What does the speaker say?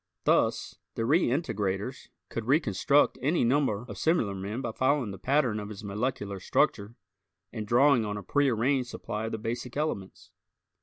Thus, the reintegrators could reconstruct any number of similar men by following the pattern of his molecular structure and drawing on a prearranged supply of the basic elements.